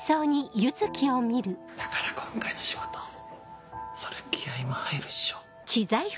だから今回の仕事そりゃ気合も入るっしょ。